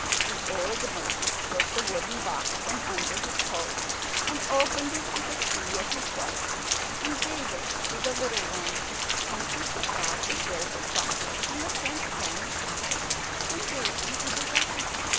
The old merchant took the wooden box from under his coat, and opened it with a key at his belt, and gave it to the little one, and she took out the silver saucer and the transparent apple and gave them to the Tzar.